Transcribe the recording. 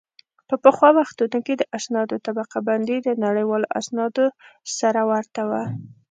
په پخوا وختونو کې د اسنادو طبقه بندي د نړیوالو اسنادو سره ورته وه